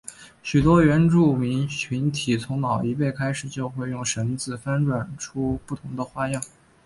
许多原住民群体从老一辈开始就会用绳子翻转出不同的花样。